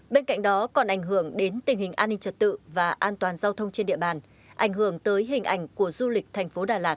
bên cạnh đó còn ảnh hưởng đến tình hình an ninh trật tự và an toàn giao thông trên địa bàn ảnh hưởng tới hình ảnh của du lịch thành phố đà lạt